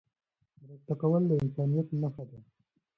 مرسته کول د انسانيت نښه ده.